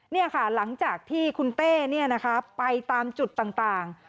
นี่ค่ะหลังจากที่คุณเต้ไปตามจุดต่าง